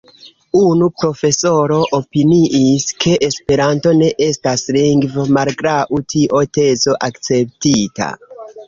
Unu profesoro opiniis, ke Esperanto ne estas lingvo, malgraŭ tio tezo akceptita.